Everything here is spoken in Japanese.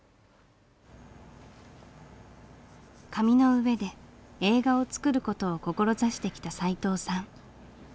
紙の上で映画を作る事を志してきたさいとうさん。